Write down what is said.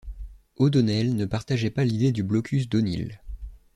O'Donnell ne partageait pas l'idée du blocus d'O'Neill.